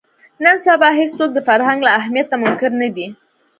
نن سبا هېڅوک د فرهنګ له اهمیته منکر نه دي